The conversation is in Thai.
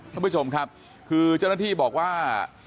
ท่านผู้ชมครับคือเจ้าหน้าที่บอกว่า